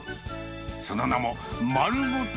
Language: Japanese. その名も丸ごと